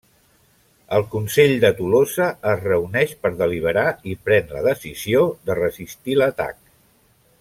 El consell de Tolosa es reuneix per deliberar i pren la decisió de resistir l'atac.